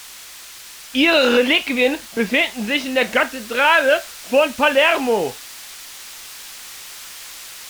Ihre Reliquien befinden sich in der Kathedrale von Palermo.